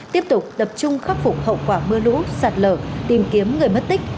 tiếp tục tập trung khắc phục hậu quả mưa lũ sạt lở tìm kiếm người mất tích